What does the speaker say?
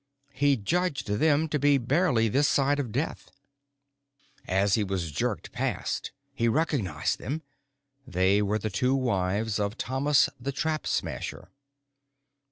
He judged them to be barely this side of death. As he was jerked past, he recognized them. They were the two wives of Thomas the Trap Smasher.